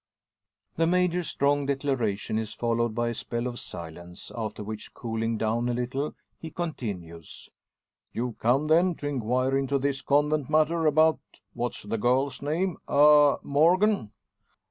The Major's strong declaration is followed by a spell of silence; after which, cooling down a little, he continues "You've come, then, to inquire into this convent matter, about what's the girl's name? ah! Morgan."